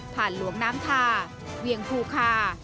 หลวงน้ำคาเวียงภูคา